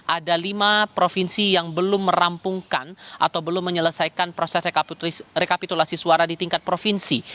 ada lima provinsi yang belum merampungkan atau belum menyelesaikan proses rekapitulasi suara di tingkat provinsi